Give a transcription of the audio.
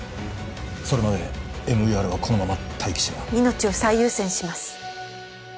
それまでＭＥＲはこのまま待機しろ命を最優先します